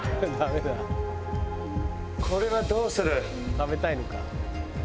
「食べたいのか」